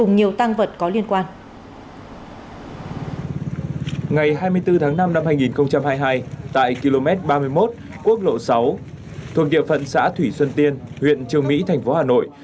ngày hai mươi bốn tháng năm năm hai nghìn hai mươi hai tại km ba mươi một quốc lộ sáu thuộc địa phận xã thủy xuân tiên huyện trương mỹ thành phố hà nội